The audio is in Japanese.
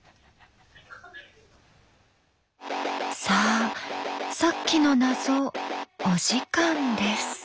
さあさっきの謎お時間です。